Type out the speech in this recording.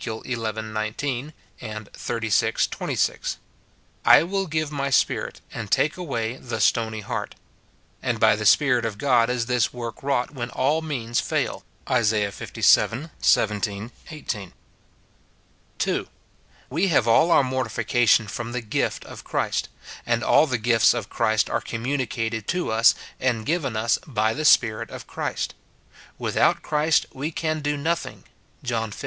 xi. 19, xxxvi. 26, " I will give my Spirit, and take away the stony heart;" and by the Spirit of God is this work wrought when all means fail, Isa. Ivii. 17, 18. (2.) We have all our mortification from the gift of Christ, and all the gifts of Christ are communicated to us and given us by the Spirit of Christ :" Without Christ we can do nothing," John xv.